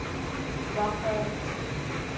Ваҡыт!